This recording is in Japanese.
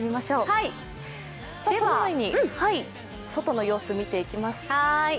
その前に外の様子見ていきます。